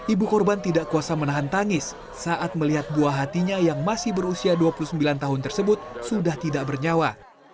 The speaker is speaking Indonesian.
ibu korban tidak kuasa menahan tangis saat melihat buah hatinya yang masih berusia dua puluh sembilan tahun tersebut sudah tidak bernyawa